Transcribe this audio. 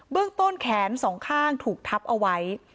ต้นแขนสองข้างถูกทับเอาไว้